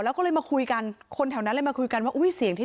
แล้วก็เลยมาคุยกันคนแถวนั้นเลยมาคุยกันว่าอุ้ยเสียงที่